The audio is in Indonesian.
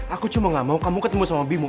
aku cuma nggak mau kamu ketemu sama bimo